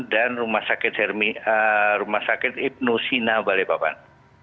dan rumah sakit ibnu sina balipapan